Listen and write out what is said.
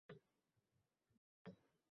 To’rt hammol ko’tarib borar tobutni